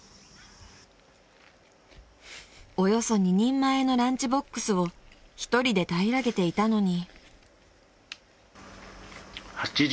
［およそ２人前のランチボックスを１人で平らげていたのに］